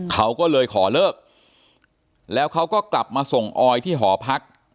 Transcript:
เขาก็เลยขอเลิกแล้วเขาก็กลับมาส่งออยที่หอพัก